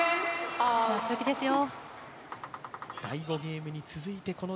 強気ですよ！